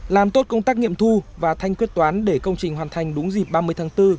làm tốt công tác nghiệm thu và thanh quyết toán để công trình hoàn thành đúng dịp ba mươi tháng bốn